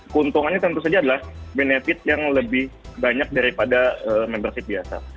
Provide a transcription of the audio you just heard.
keuntungannya tentu saja adalah benefit yang lebih banyak daripada membership biasa